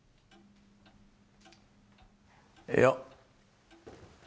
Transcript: いや。